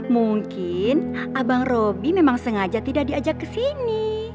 mungkin abang robi memang sengaja tidak diajak kesini